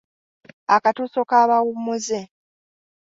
Akatuuso k’abawummuze.